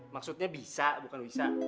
maksudnya bisa bukan bisa